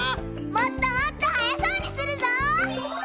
もっともっとはやそうにするぞ！